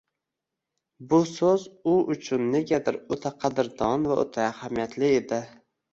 Bu so‘z u uchun negadir o‘ta qadrdon va o‘ta ahamiyatli edi.